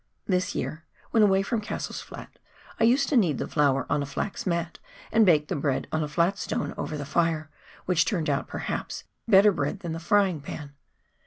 This year, when away from Cassell's Flat, I used to knead the flour on a flax mat, and bake the bread on a flat stone over the fire, which turned out, perhaps, better bread than the frying pan.